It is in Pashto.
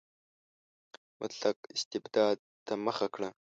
مطلق استبداد ته مخه کړه.